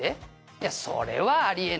「いやそれはあり得ない」